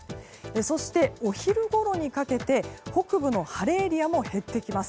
そしてお昼ごろにかけて、北部の晴れエリアも減ってきます。